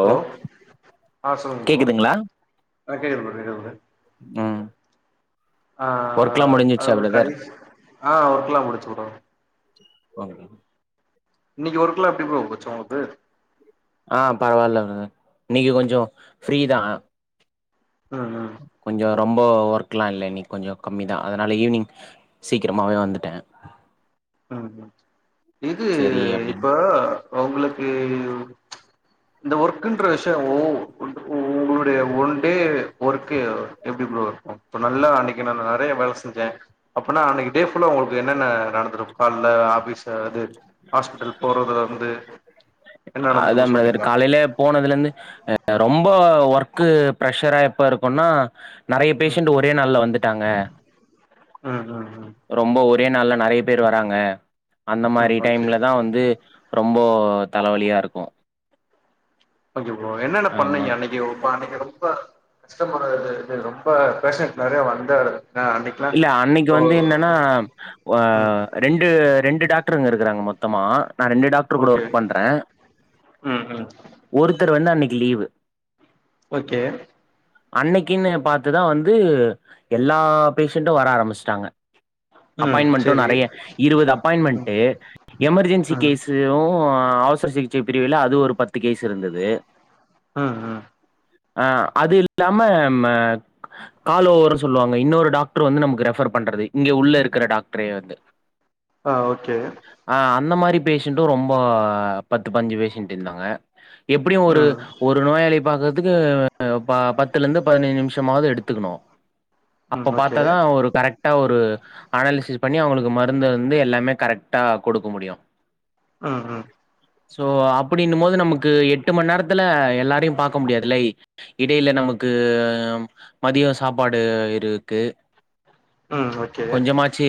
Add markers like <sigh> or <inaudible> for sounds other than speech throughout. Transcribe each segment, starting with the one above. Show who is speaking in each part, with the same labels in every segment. Speaker 1: Hello ஆ சொல்லுங்க bro
Speaker 2: கேக்குதுங்களா
Speaker 1: ஆ கேக்குது ப்ரோ கேக்குது ப்ரோ
Speaker 2: ம்
Speaker 1: ஆ ஆ ஆ
Speaker 2: ஒர்க்லா
Speaker 1: அதா
Speaker 2: முடிஞ்சிச்சா
Speaker 1: ப்ரோ
Speaker 2: பிரதர்
Speaker 1: கடைஸ் ஆ ஒர்க்லா முடிஞ்சு ப்ரோ
Speaker 2: வாங்க
Speaker 1: இன்னிக்கு ஒர்க்லா எப்டிப்பா போச்சு ஒங்க்ளுக்கு
Speaker 2: ஆ பரவால்ல ப்ரதர் இன்னக்கி கொஞ்சோ ஃப்ரீதா
Speaker 1: ம் ம்
Speaker 2: கொஞ்சோ ரொம்போ ஒர்க்லா இல்ல இன்னிக்கு கொஞ்சோ கம்மிதா அதனால ஈவ்னிங் சீக்கிரமாவே வந்துட்ட
Speaker 1: ம் ம் இது
Speaker 2: சேரி அப்டின்னு
Speaker 1: இப்போ ஒங்க்ளுக்கு இந்த ஒர்க்குன்ற விஷயோ ஒன்று ஓ ஒங்க்ளுடைய ஒன் டே ஒர்க்கு எ எப்டி ப்ரோ இருக்கு இப்ப நல்லா அன்னைக்கி நா நெறயா வேல செஞ்ச அப்புனா அன்னைக்கி டே ஃபுல்லா ஒங்க்ளுக்கு என்னன்ன நடந்துருக் கால்ல ஆபீஸ்ல அது ஹாஸ்பிட்டல் போறதுலருந்து
Speaker 2: அதா ப்ரதர் காலைல போனதுலந்து அ ரொம்ப ஒர்க்கு பிரஷ்ஷரா எப்ப இருக்குன்னா நெறைய
Speaker 1: ம்
Speaker 2: பேஷண்டு ஒரே நாள்ல வந்துட்டாங்க
Speaker 1: ம் ம் ம்
Speaker 2: ரொம்ப ஒரே நாள்ல நெறைய பேர் வராங்க அந்த
Speaker 1: ம்
Speaker 2: மாரி
Speaker 1: ஓகே
Speaker 2: டைம்லதா வந்து ரொம்போ தலவலியாருக்கு
Speaker 1: ஓகே ப்ரோ என்னன்ன
Speaker 2: ஆமா
Speaker 1: பண்ணீங்க அன்னைக்கி ஒ ப அன்னக்கி ரொம்ப கஷ்டமானது இது ரொம்ப பேஷண்ட் நெறையா வந்த <inaudible> அன்னக்கி
Speaker 2: இல்ல அன்னக்கி வந்து என்னனா ஒ அ
Speaker 1: ம்
Speaker 2: ரெண்டு ரெண்டு டாக்டருங்க இருக்குறாங்க மொத்தமா நா ரெண்டு டாக் ட்ரு கூட
Speaker 1: ஓகே
Speaker 2: ஒர்க் பண்ற
Speaker 1: ம் ம்
Speaker 2: ஒருத்தரு வந்து அன்னைக்கி லீவு
Speaker 1: ஓகே
Speaker 2: அன்னைக்கின்னு பாத்துதா வந்து எல்லாப் பேஷண்டு வர ஆரம்பிச்ட்டாங்க
Speaker 1: ம்
Speaker 2: அப்பாயின்மெண்ட்டு
Speaker 1: செரி
Speaker 2: நெறைய இருவது
Speaker 1: ம்
Speaker 2: அப்பாயின்மெண்ட்டு எமர்ஜென்சி
Speaker 1: ம்
Speaker 2: கேஸு ம் அவசர சிகிச்சை பிரிவில அது ஒரு பத்து கேஸ் இருந்துது
Speaker 1: ம் ம்
Speaker 2: அ அது இல்லாம ம காலோவர் சொல்லுவாங்க இன்னொரு டாக் ட்ரு வந்து நமக்கு ரெஃபர் பண்றது இங்க உள்ள இருக்குற டாக்ட்ரே வந்து
Speaker 1: அ ஓகே
Speaker 2: அ அந்த மாரி பேஷண்ட்டு ரொம்போ பத்து பதிஞ்சு பேஷண்ட்டு இந்தாங்க எப்பிடியு ஒரு
Speaker 1: ம்
Speaker 2: ஒ ரு நோயாளிய பாக்கத்துக்கு ம் ப பத்துலந்து பதினேழு நிமிஷமாவுது எடுத்துக்குணு
Speaker 1: ம்
Speaker 2: அப்ப
Speaker 1: ஓகே
Speaker 2: பாத்தாதா ஒரு கரெக்ட்டா ஒரு அனாலிசிஸ் பண்ணி அவுங்களுக்கு மருந்து வந்து எல்லாமே கரெக்ட்டா குடுக்க முடியு
Speaker 1: ம் ம்
Speaker 2: சோ அப்டின்னும்போது நமக்கு எட்டு மண்நேரத்துல எல்லாரயு பாக்க முடியாதுலை இடையில நமக்கு மதியோ சாப்பாடு இருக்கு
Speaker 1: ம் ஓக்
Speaker 2: கொஞ்சமாச்சு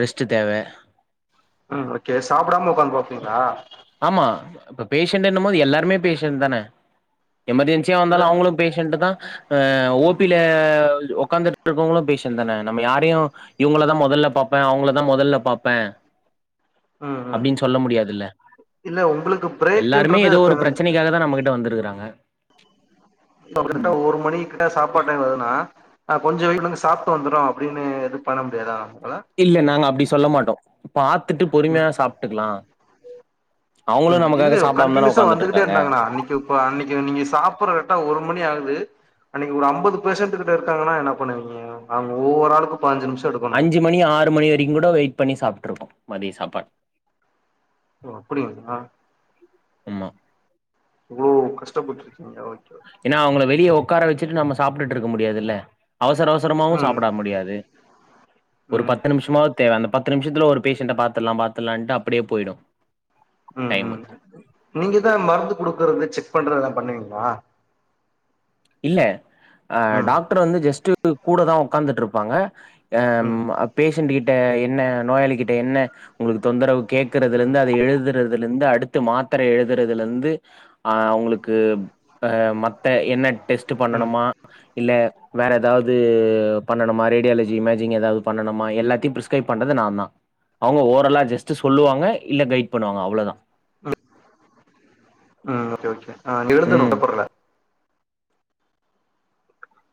Speaker 2: ரெஸ்ட்டு தேவ
Speaker 1: ம் ஓகே சாப்டாம ஒக்காந்துரு வாப்பீங்ளா
Speaker 2: ஆமா இப்ப பேஷண்ட் என்னும்போது எல்லாருமே பேஷண்ட்தான எமர்ஜென்ஸ் ச்சியா
Speaker 1: இல்ல
Speaker 2: வந்தாலு அவுங்குளு பேஷண்டு தா ஓ
Speaker 1: ம்
Speaker 2: பி ல ஒக்காந்துட்டு இருக்கவுங்களு பேஷ் ஸண்ட்டு தான நம்ம யாரையு இவுங்கள தா மொதல்ல பாப்பே அவுங்களதா மொதல்ல பாப்பே
Speaker 1: ம் ம்
Speaker 2: அப்டின் சொல்ல முடியாதில்ல
Speaker 1: இல்ல உங்களுக்கு
Speaker 2: எல்லாருமே
Speaker 1: பிரேக்குன்றது
Speaker 2: எதோ ஒரு
Speaker 1: இப்ப
Speaker 2: ப்ரச்சனைக்காக தா நம்ம கிட்ட வந்துருக்குறாங்க
Speaker 1: இப்போ கரெக்டா ஒரு மணிக் சாப்பாட் டைம் வருதுனா அ கொஞ்சோ வெயிட் பண்ணுங்க சாப்ட்டு வந்தறோ அப்டினு எது பண்ண முடியாதா ஒங்கள
Speaker 2: இல்ல நாங்க அப்டி சொல்ல மாட்டோ பாத்துட்டு
Speaker 1: ம்
Speaker 2: பொறுமையா சாப்ட்டுக்லா
Speaker 1: ம் இல்ல கண்டினியூஸா வந்துகிட்டே இருந்தாங்ணா அன்னைக்கு இப்ப அன்னக்கி நீங்க சாப்புற கரெட்டா ஒரு மணி ஆகுது அன்னக்கி ஒரு ஐம்பது பேசண்ட்டு கிட்ட இருக்காங்கன்னா என்ன பண்ணுவீங்க அவுங்க ஒவ்வொரு ஆளுக்கு பாஞ்சு நிமிஷோ எடுக்
Speaker 2: அஞ்சு மணி ஆறு மணி வரைக்கு கூட வெயிட் பண்ணி சாப்பிடருக்கோ மதிய சாப்பாடு
Speaker 1: ஓ அப்டி ஒன்னா
Speaker 2: ஆமா
Speaker 1: இவ்ளோக் கஸ்டப்பட்டிருக்கீங்களா ஓகே ஓகே
Speaker 2: ஏன்னா அவங்கள வெளிய உட்க்கார வச்சுட்டு நம்ம சாப்பிட்டுட்டு இருக்க முடியாதுல்ல அவசர அவசர மாவு
Speaker 1: ம்
Speaker 2: சாப்பிட முடியாது ஒரு
Speaker 1: ம்
Speaker 2: பத்து நிம்ஷ் மாவ்து தேவ அந்த பத்து நிமிஷத்துல ஒரு பேஷண்ட பாத்துடலா பாத்துலான்ட்டு அப்டியே போயிடு
Speaker 1: ம்
Speaker 2: டைமு
Speaker 1: ம் நீங்கதா மருந்து கொடுக்கறது செக் பண்றதுலா பண்ணுவீங்களா
Speaker 2: இல்ல அ
Speaker 1: ம்
Speaker 2: டாக்டர் வந்து ஜஸ்ட்டு கூட தா உக்காந்துட்டு இருப்பாங்க
Speaker 1: ம்
Speaker 2: அ பேஷண்ட் கிட்ட என்ன நோயாளி கிட்ட என்ன உங்களுக்கு தொந்தரவு கேக் கிறதுல
Speaker 1: ம்
Speaker 2: இருந்து அதை எழுதுறதுல இருந்து அடுத்து மாத்திரை எழுதுறதுல இருந்து அ அவங்களுக்கு அ மத்த என்ன டெஸ்ட்
Speaker 1: ம்
Speaker 2: பண்ணணுமா இல்ல வேற ஏதாவது பண்ணணுமா ரேடியாலஜி இமேஜிங் ஏதாவது பண்ணணுமா எல்லாத்தையு ப்ரிஸ் க்ரைப் பண்றது நா தா அவங்க ஓரலா ஜஸ்ட் சொல்லுவாங்க இல்ல கைட் பண்ணுவாங்க அவ்ளோ தா
Speaker 1: உ ம் ஓகே ஓகே ஆ எழுந்துனு
Speaker 2: ம்
Speaker 1: ஒட்டப்படல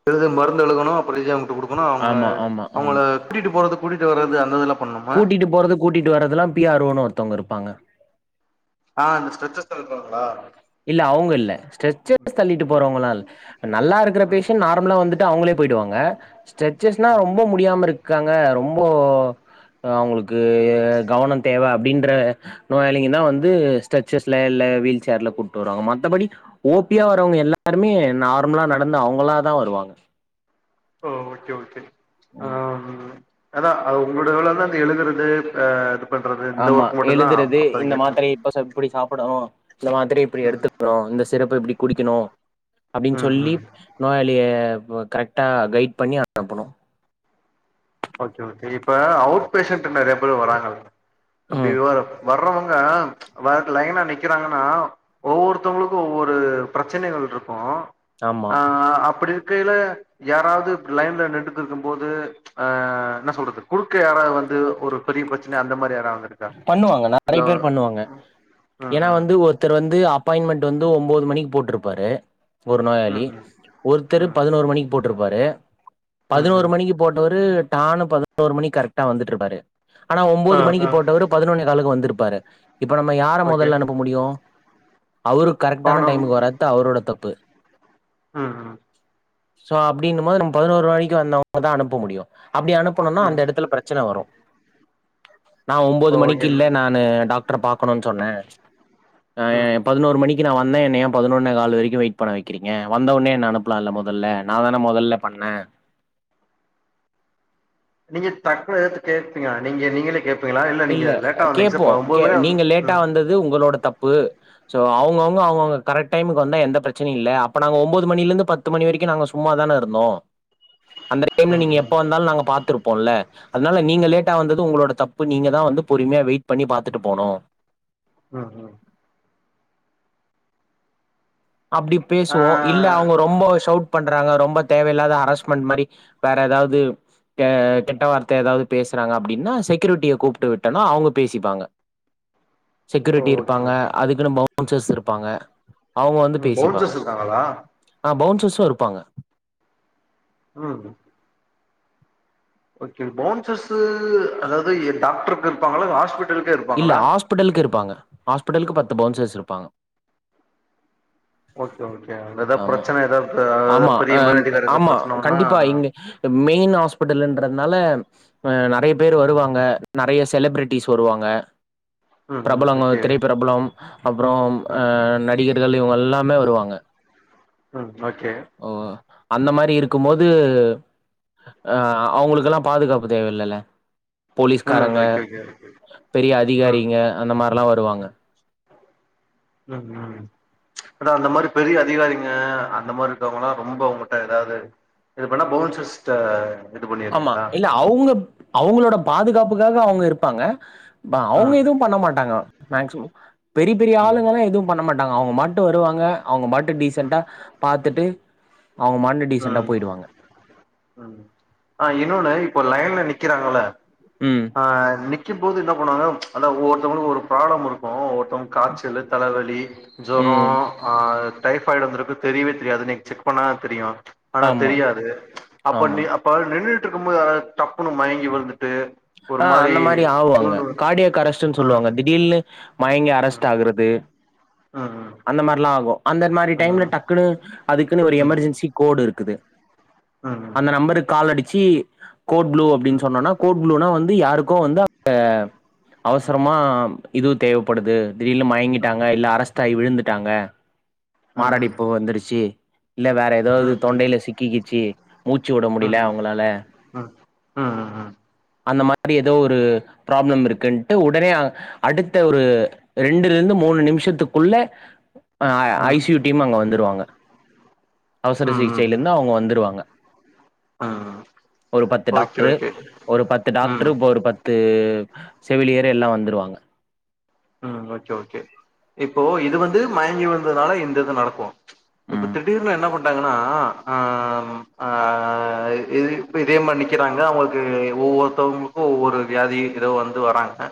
Speaker 1: எழுத மருந்து எழுதணு அப்றோ நிஜாம்கிட்ட கொடுக்கணு
Speaker 2: ஆமா ஆமா
Speaker 1: அவங்கள
Speaker 2: ஆமா
Speaker 1: கூட்டிட்டு போறது கூட்டிட்டு வரது அந்த இதுல்லா
Speaker 2: கூட்டிட்டு போறது கூட்டிட்டு வரதெல்லா பி ஆர் ஒன்னு ஒருத்தவங்க இருப்பாங்க
Speaker 1: ஆ அந்த ஸ்டெஜ்ஜர்ஸ் தள்றவங்களா
Speaker 2: இல்ல அவங்க இல்ல ஸ்டெச்சர்ஸ் தள்ளிட்டு
Speaker 1: ம்
Speaker 2: போறவங்களா இல்ல நல்லா இருக்கிற
Speaker 1: ம்
Speaker 2: பேஷன்ட் நா மலாவந்துட்டு அவங்களே போயிடுவாங்க ஸ்டெச்சஸ்னா
Speaker 1: ம்
Speaker 2: ரொம்ப முடியாம இருக் காங்க ரொம்போ அவங்களுக்கு
Speaker 1: ம்
Speaker 2: கவனோ தேவ அப்டின்ற நோயாளிங்க தா வந்து ஸ்டச்சர்ஸ்ல இல்ல வீல் சேர்ல கூட் டு வருவாங்க மத்தபடி ஓபியா வரவங்க எல்லாருமே நார்மலா நடந்து அவங்களா தா வருவாங்க
Speaker 1: ஓ ஓகே ஓகே அ அதா அது உங்களோட வேல தா அந்த எழுதுறது அ
Speaker 2: ஆமா எழுதுறது இந்த
Speaker 1: இருக்குது
Speaker 2: மாத்திரை இப்ப சப் இப்டி சாப்டணு இந்த மாதிரி இப்டி
Speaker 1: ம்
Speaker 2: எடுத்துக்கணும் இந்த சிரப்ப இப்டி குடிக்கணு அப்டின்னு
Speaker 1: ம்
Speaker 2: சொல்லி
Speaker 1: ம்
Speaker 2: நோயாளிய கரெக்டா கைட் பண்ணி அனுப்பனு
Speaker 1: ஓகே ஓகே இப்ப அவுட் பேஷண்ட் நெறைய பேர் வராங்கள்ள அப்டி
Speaker 2: ம்
Speaker 1: வ வர்றவங்க வர லைனா நிக் கிறாங்கன்னா ஒவ்வொருத்தவங்களுக்கு ஒவ்வொரு பிரச்சனைகள் இருக்கு
Speaker 2: ஆமா
Speaker 1: ஆ அப்டி இருக்கையில யாராவது லைன்ல நின்னுட்டு இருக்கு போது அ என்ன சொல்றது குறுக்க யாராவது வந்து ஒரு பெரிய பிரச்சன அந்த மாரி யாராவது வந்திருக்கா
Speaker 2: பண்ணுவாங்க
Speaker 1: இல்ல
Speaker 2: நெறைய பேர் பண்ணுவாங்க
Speaker 1: ம்
Speaker 2: ஏனா
Speaker 1: ம்
Speaker 2: வந்து ஒருத்தர் வந்து அப் பாயின்மெண்ட் வந்து ஒம்போது மணிக்கு போட்டுருப்பாரு ஒரு நோயாளி
Speaker 1: ம்
Speaker 2: ஒருத்தரு
Speaker 1: ம்
Speaker 2: பதனோரு மணிக்கு போட்டுருப்பாரு
Speaker 1: ம் ம்
Speaker 2: பதினோரு
Speaker 1: ம்
Speaker 2: மணிக்கு போட்ட வரு டானு பதனோரு மணிக் கரெக்டா வந்துட்ருப்பாரு ஆனா
Speaker 1: ஆ
Speaker 2: ஒம்போது மணிக்கு
Speaker 1: ஆ
Speaker 2: போட்டவரு பதினொன்னே காலுக்கு வந்துருப்பாரு இப்ப நம்ம யார
Speaker 1: ஓகே
Speaker 2: மொதல்ல அனுப்ப முடியு அவரு கரெக்ட்டான
Speaker 1: பானூர்
Speaker 2: டைமுக்கு வராத்து அவரோட தப்பு
Speaker 1: ம் ம்
Speaker 2: சோ அப்டிங்க்கு போது நம்ம பதினோரு மணிக்கு வந்தவங்களதா அனுப்ப முடியு அப்டி அனுப்பனுனா அந்த
Speaker 1: ம்
Speaker 2: எடத்துல பிர ச்சன வரு நா ஒம்போது
Speaker 1: ஓகே
Speaker 2: மணிக்கில்ல நானு டாக்டர பாக்கனுன் சொன்னே அ
Speaker 1: ம்
Speaker 2: பதினோரு மணி ஜி நா வந்தே என்ன ஏ பதினொன்னே கால் வரைக்கு வெயிட் பண்ண வைக்கிறீங்க வந்த ஒட்னே என்ன அனுப்பலா இல்ல மொதல்ல நா தான மொதல்ல பண்ண
Speaker 1: நீங்க டக்குனு எடுத்து கேப்பீங்க நீங்க நீங்களே கேப் திங்களா இல்ல நீங்க லேட்டா வந்தீங்க சார் இப்ப ஒம்போது மணி வந்த ம்
Speaker 2: து உங்களோட தப்பு சோ அவுங்கவுங்க அவுங்கங்க கரெக்ட் டைம்க்கு வந்தா எந்த பிரச்சனயு இல்ல அப்ப நாங்க ஒம்போது மணிலந்து பத் மது ணி வரைக்கு நாங்க சும்மா தான இருந்தோ அந்த டைம்ல
Speaker 1: ம்
Speaker 2: நீங்க எப்ப
Speaker 1: ம்
Speaker 2: வந்தாலு நாங்க பாத்துருப்போல்ல அதனால நீங்க லேட்டா வந்தது உங்களோட தப் இப்ப நீங்க தா வந்து பொறுமையா வெயிட் பண்ணி பாத்துட்டு போனு
Speaker 1: ம் ம்
Speaker 2: அப்டி
Speaker 1: ஆ
Speaker 2: பேசுவோ இப் இல்ல அவுங்க ரொம்ப சவுட் பண்றாங்க ரொம்ப தேவையில்லாத ஹராஸ்மெண்ட் மாரி வேற ஏதாவது கே கெட்ட வார்த்த ஏதாவது பேசறாங்க அப்டின்னா செக்யூரிட்டிய கூப்டு விட்டனா அவுங்க பேசிப்பாங்க செக்யூரிட்டி
Speaker 1: ஓகே
Speaker 2: இருப்பாங்க
Speaker 1: ஓகே
Speaker 2: அதுக்குன்னு பவுன்சர்ஸ் இருப்பாங்க அவுங்க வந்
Speaker 1: ம் பவுன்சர்ஸ் இருக்காங்களா
Speaker 2: ஆ பவுன்சஸ்ஸு இருப்பாங்க
Speaker 1: ம் ஓகே பவுன்சர்சு அதாவது டாக்டரு பே இருப்பாங்களா இல்ல ஹாஸ்பிட்
Speaker 2: இல்ல ஹாஸ்பிட்டலுக்கு இருப்பாங்க ஹாஸ்பிட்டலுக்கு பத்து பவுன்சஸ் இருப்பாங்க
Speaker 1: ஓகே ஓகே ஏதா
Speaker 2: ஆமா
Speaker 1: பிரச்சன ஏதாவது பெ
Speaker 2: ஆமா
Speaker 1: பெரிய
Speaker 2: அ
Speaker 1: மேலதிகார எதா
Speaker 2: ஆமா
Speaker 1: பிரச்சனை பண்ணா
Speaker 2: கண்டிப்பா இங்க மெயின் ஹாஸ்பிட்டல்ன்றத்னால ப நெறைய பேர் வருவாங்க நெறைய செலபிரிட்டிஸ் வருவாங்க
Speaker 1: ம் ம்
Speaker 2: பிரபலங்க
Speaker 1: ஓகே
Speaker 2: திரைப்பிரபலம் அப்புறோ அ
Speaker 1: ம்
Speaker 2: நடிகர்கள் இவங்க எல்லாமே வருவாங்க
Speaker 1: ம் ஓகே
Speaker 2: ஓ அந்த மாரி இருக்கு போது அ அவங்களுக் கெல்லா பாதுகாப்பு தேவ இல்லல்ல போலீஸ்காரங்க
Speaker 1: சேரி சேரி
Speaker 2: பெரிய அதிகாரிங்க அந்த மாரிலா வருவாங்க
Speaker 1: ம் ம் அதா அந்த மாரி பெரிய அதிகாரிங்க அந்த மாரி இருக்கவங்கல்லா ரொம்ப உங்குட்ட ஏதாவது இது பண்ணா பவுன்சஸ்ட
Speaker 2: ஆமா இல்ல அவங்க அவங்களோட பாதுகாப்புக்காக அவங்க இருப்பாங்க அவங்க
Speaker 1: ம்
Speaker 2: எதுவு பண்ண மாட்டாங்க மேக்சிம பெரிய பெரிய
Speaker 1: ம்
Speaker 2: ஆளுங்கல்லா எது பண்ண மாட்டாங்க அவங்க மாட்டு வருவாங்க அவங்க மாட்டு டீசன்டா பாத்துட்டு அவங்க மாட்டு
Speaker 1: ம் ம் ஆஹ் இன்னொன்னு இப்போ லைன்ல நிக்கிறாங்கள
Speaker 2: ம்.
Speaker 1: ஆஹ் ஆஹ் இன்னைக் வக்கி போது என்ன பண்ணுவாங்க அதாவ ஒவ்வொருத்தவங்களுக்கு ஒரு ப்ராள இருக்கும் ஒவ்வொருத்தவங்க காச்சலு தலவலி ஜொர
Speaker 2: ம்.
Speaker 1: ஆஹ் டைஃபாய்டு வந்திருக்கு தெரியவே தெரியாது இன்னைக்கு செக் பண்ணா தா தெரியு ஆனா
Speaker 2: ஆமா,
Speaker 1: தெரியாது அப்ப
Speaker 2: ஆமா.
Speaker 1: அப்ப நின்றுட்டு இருக்கு போது அத டப்புன்னு மயங்கி விழுந்துட்டு ஒரு
Speaker 2: ஆஹ்
Speaker 1: மாரி
Speaker 2: அந்த மாறி ஆகுவாங்க
Speaker 1: சுருண்டு
Speaker 2: அங்க
Speaker 1: விழு-
Speaker 2: கார்டியாக் அரஷ்டுன்னு
Speaker 1: ஆ
Speaker 2: சொல்லுவாங்க திடீ இல்ல மயங்கி அரெஸ்ட் ஆகுறது
Speaker 1: ம் ம்
Speaker 2: அந்த மாறிலா ஆகும் அந்த மாறி டைம்ல
Speaker 1: ம்
Speaker 2: டக்குன்னு அதுக்குன்னு ஒரு எமெர்ஜென்சி கோடு இருக்குது
Speaker 1: ஆஹ் ஆஹ்
Speaker 2: நம்பருக்கு‌ கால் அடிச்சு கோட் ப்ளூ அப்டின்னு
Speaker 1: ம்
Speaker 2: சொன்னனா கோட் கோட் புளூனா வந்து யாருக்கோ வந்து
Speaker 1: ம்
Speaker 2: அவசரமா இதுவு தேவைப்படுது வெளில
Speaker 1: ம்
Speaker 2: மயங்கிட்டாங்க இல்ல அரசஸ்டாயி விழுந்துட்டாங்க மாரடைப்பு வந்துருச்சு இல்ல வேற
Speaker 1: ம் ம் ம் ம்
Speaker 2: ஏதாவது
Speaker 1: ம்
Speaker 2: தொண்டையில சிக்கி கிச்சு மூச்சு விட முடியல
Speaker 1: ம்
Speaker 2: அவங்களால
Speaker 1: ம் ம் ம்
Speaker 2: அந்த மாறி ஏதோ ஒரு ப்ராப்ளம் இருக்குன்ட்டு ஒடனே அடுத்த ஒரு ரெண்டு ரெண்டு மூணு நிமிஷத்துக்குள்ள ஆஹ் ஐ சி யூ டீம் அங்க வந்துடுவாங்க
Speaker 1: ம்
Speaker 2: அவசர
Speaker 1: ம்
Speaker 2: சிகிச்சையில
Speaker 1: ம்
Speaker 2: இருந்து அவங்க வந்துருவாங்க
Speaker 1: ம்
Speaker 2: ஒரு பத்து
Speaker 1: ஓகே
Speaker 2: டாக்டரு
Speaker 1: ஓகே
Speaker 2: ஒரு பத்து
Speaker 1: ம்
Speaker 2: டாக்டரு இப்ப ஒரு பத்து செவிலியர் எல்லா வந்துடுவாங்க
Speaker 1: ம் ஓகே ஓகே இப்போ இது வந்து மயங்கி விழுந்ததுனால இந்த இது நடக்கு இப்போ
Speaker 2: ம்
Speaker 1: திடூர்ல என்ன பண்றாங்கன்னா ஆ ம் ஆ இது இதே மாி நிக்கிறாங்கே அவங்களுக்கு ஒவ்வொருத்தவங்களுக்கு ஒவ்வொரு வியாதி இதோ வந்து வராங்கே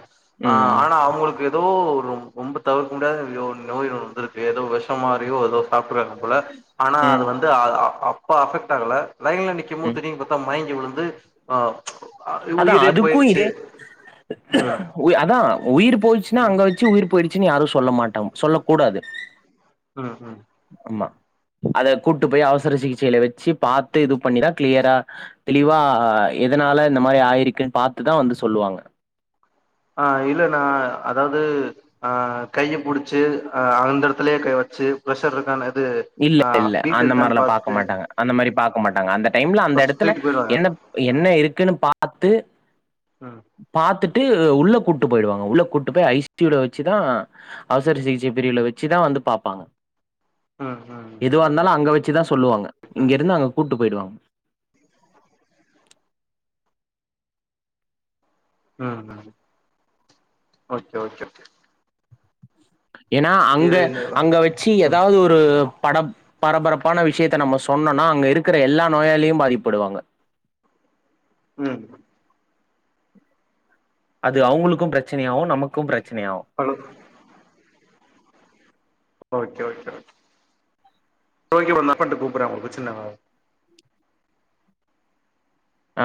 Speaker 1: ஆஹ்
Speaker 2: ம்
Speaker 1: ஆனா அவங்களுக்கு ஏதோ ஓருஐ ரொம்பே தவிர்க முடியாத நோய் வந்துருக்கு ஏதோ விஷ மாரியோ ஏதோ சாப்பிட்டுறாங்கே போல
Speaker 2: ம்
Speaker 1: ஆனாஅதவந்து அப்போ அஃபெக்ட் ஆகல லைன்ல நிக்கும்மோ
Speaker 2: ம்
Speaker 1: திரும்பி பார்த்தா மயங்கி விழுந்து ஆ
Speaker 2: அதா
Speaker 1: உயிரே
Speaker 2: அதுக்கு
Speaker 1: போயிருச்சு
Speaker 2: இதே
Speaker 1: ம்
Speaker 2: அதா உயிர் போயடுச்சுன்னா
Speaker 1: ம்
Speaker 2: அங்கே வச்சி உயிர் போயிடுச்சுன்னு யாரும் சொல்ல மாட்டா சொல்ல கூடாது
Speaker 1: ம் ம்
Speaker 2: ஆமா அத கூட்டு போய் அவசர சிகிச்சையில வச்சு பாத்து இது பண்ணிரா கிளியரா தெளிவா எதனால இந்த மாரி ஆயிருக்குன்னு பாத்துதா வந்து சொல்லுவாங்கே
Speaker 1: ஆ இல்லேணா அதாது ஆ கையை புடிச்சி ஆ அந்தே இடத்துலயே கை வச்சி பிரஷர் இருக்கா
Speaker 2: இல்லே இல்லே அந்தே மாரிலா பாக்க மாட்டாங்கே அந்த மாரி பாக்க மாட்டாங்கே அந்த டைம்லே அந்த
Speaker 1: ஃபர்ஸ்ட்
Speaker 2: இடத்துலே
Speaker 1: தூக்கிட்டு போயிருவாங்க
Speaker 2: என்னே என்னே இருக்குன்னு பாத்து
Speaker 1: ம்
Speaker 2: பாத்துட்டு உள்ளே கூப்டு போயிடுவாங்கே உள்ளே கூப்டு போய் ஐ சி யூலே வச்சிதா அவசர சிகிச்சை பிரிவுல வச்சிதா வந்து பார்ப்பாங்கே
Speaker 1: ம் ம் ம்
Speaker 2: எதுவாக இருந்தாலும் அங்கே வச்சிதா சொல்லுவாங்கே
Speaker 1: ஓகே
Speaker 2: இங்க
Speaker 1: ஓகே
Speaker 2: இருந்து அங்கே கூப்டு போயிடுவாங்கே
Speaker 1: ம் ஓ கே ஓ கே
Speaker 2: ஏன்னா அங்க
Speaker 1: இது இந்த
Speaker 2: அங்க வச்சி
Speaker 1: ம்
Speaker 2: ஏதாவது ஒரு ஒரு படம் பரபரப்பான விஷயத்த நம்ம சொன்னோம்னா அங்க இருக்கிற எல்லா நோயாலும் பாதிக்கப்படுவாங்க
Speaker 1: ம்
Speaker 2: அது அவுங்களுக்கும் பிரச்சனையாகும் நமக்கும் பிரச்சனையாகும்
Speaker 1: ஹலோ அச்சச்சோ தொழுதுட்டு கொஞ்ச நேரம் கழிச்சி கூப்படுறே அப்ப பிரச்சனை வராது
Speaker 2: ஆ